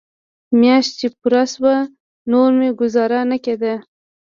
مياشت چې پوره سوه نور مې گوزاره نه کېده.